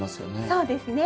そうですね